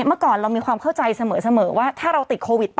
เมื่อก่อนเรามีความเข้าใจเสมอว่าถ้าเราติดโควิด